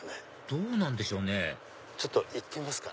どうなんでしょうねちょっと行ってみますか。